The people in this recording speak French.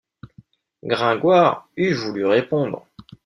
Gringoire eût voulu répondre.